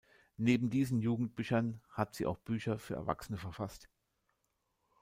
Neben diesen Jugendbüchern hat sie auch Bücher für Erwachsene verfasst.